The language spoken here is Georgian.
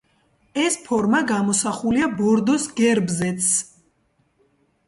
ეს ფორმა გამოსახულია ბორდოს გერბზეც.